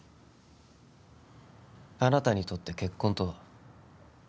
あなたにとって結婚とは？